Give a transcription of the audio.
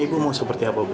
ngomong aja harapan ibu